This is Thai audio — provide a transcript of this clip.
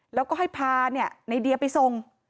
แล้วก็ให้พาในเดียไปส่ง